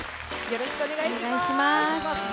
よろしくお願いします。